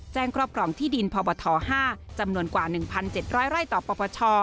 ครอบครองที่ดินพบท๕จำนวนกว่า๑๗๐๐ไร่ต่อปปช